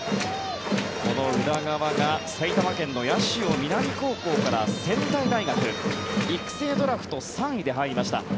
この宇田川が埼玉県の八潮南高校から仙台大学育成ドラフト３位で入りました。